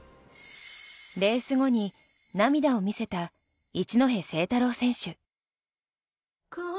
レース後に涙を見せた一戸誠太郎選手。